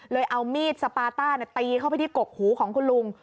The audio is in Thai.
เอามีดสปาต้าตีเข้าไปที่กกหูของคุณลุง